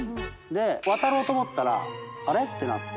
渡ろうと思ったらあれっ？ってなって。